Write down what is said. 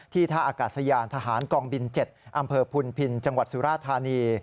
ท่าอากาศยานทหารกองบิน๗อำเภอพุนพินจังหวัดสุราธานี